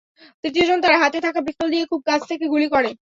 তৃতীয়জন তার হাতে থাকা পিস্তল দিয়ে খুব কাছ থেকে গুলি করে।